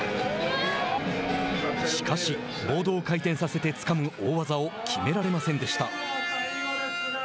しかし、ボードを回転させてつかむ大技を決められませんでした。